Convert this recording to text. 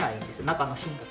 中の芯が。